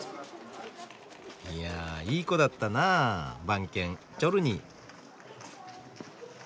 いやあいい子だったなあ番犬・チョルニー。